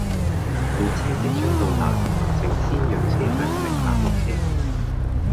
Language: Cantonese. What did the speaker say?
列車即將到達，請先讓車上乘客落車